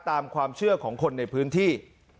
ตามความเชื่อของคนในพื้นที่